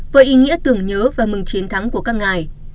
với ý nghĩa tưởng nhớ và mừng chiến thắng của các ngài